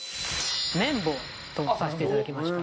『綿棒』とさせていただきました。